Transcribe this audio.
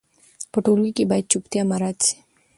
په ټولګي کې باید چوپتیا مراعت سي.